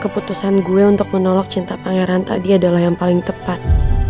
keputusan gue untuk menolak cinta pangeran tadi adalah yang paling tepat